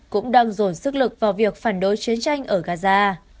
cũng đang dồn sức lực vào việc phản đối chiến tranh ở gaza